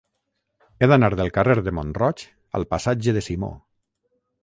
He d'anar del carrer de Mont-roig al passatge de Simó.